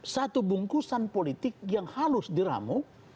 satu bungkusan politik yang halus diramu